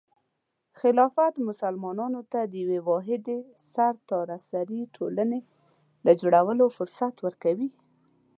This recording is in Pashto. خلافت مسلمانانو ته د یوې واحدې سرتاسري ټولنې د جوړولو فرصت ورکوي.